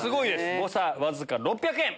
誤差わずか６００円。